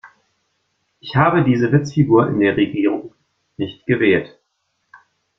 Ich habe diese Witzfigur in der Regierung nicht gewählt.